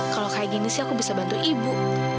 kalau kayak gini sih aku bisa bantu ibu